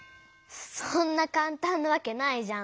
そんなかんたんなわけないじゃん。